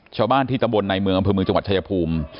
ชาวบ้านที่ตำบลในเมืองอำเภอเมืองจังหวัดชายภูมิ